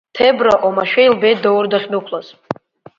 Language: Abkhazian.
Ҭебра омашәа илбеит Даур дахьдәықәлаз.